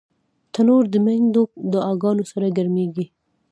تنور د میندو دعاګانو سره ګرمېږي